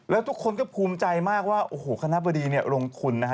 แล้วทุกคนก็ภูมิใจมากว่าโอ้โหคณะบดีเนี่ยลงทุนนะฮะ